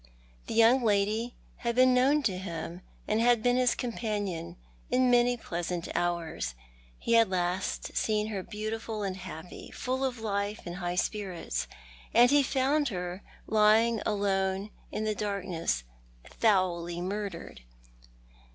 The young lady had been known to him, and had been his companion in many pleasant hours. He had last seen her beautiful and happy, full of life and high spirits, and he found her lying alone in the darkness foully murdered.